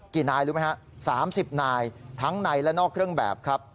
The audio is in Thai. นายรู้ไหมฮะ๓๐นายทั้งในและนอกเครื่องแบบครับ